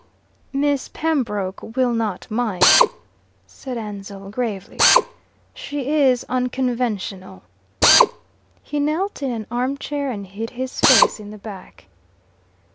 "Miss Pembroke will not mind," said Ansell gravely. "She is unconventional." He knelt in an arm chair and hid his face in the back.